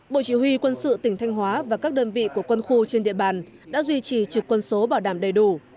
bộ chỉ huy quân sự tỉnh thanh hóa và các đơn vị của quân khu trên địa bàn đã duy trì trực quân số bảo đảm đầy đủ